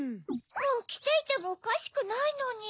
もうきていてもおかしくないのに。